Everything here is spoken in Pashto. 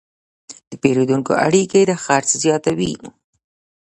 د پیرودونکو اړیکې د خرڅ زیاتوي.